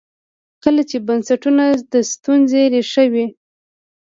کله چې بنسټونه د ستونزې ریښه وي.